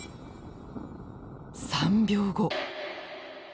３秒後。